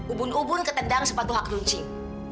ubun ubun ketendang sepatu hak runcing